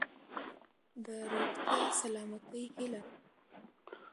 د روغتیا ،سلامتۍ هيله .💡